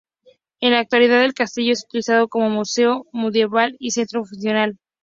En la actualidad el castillo es utilizado como museo medieval y centro funcional.